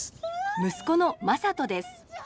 息子の正門です。